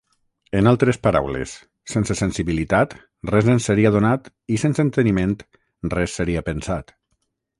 En altres paraules, sense sensibilitat res ens seria donat i sense enteniment, res seria pensat.